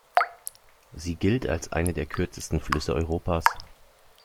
Sie gilt als einer der kürzesten Flüsse Europas.